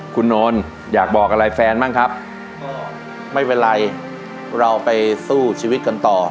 คุณนนท์อยากบอกอะไรแฟนบ้างครับไม่เป็นไรเราไปสู้ชีวิตกันต่อ